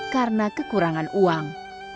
karena kekurangan uang